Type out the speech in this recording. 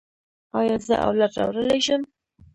ایا زه اولاد راوړلی شم؟